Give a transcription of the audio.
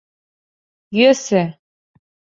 Йӧсӧ.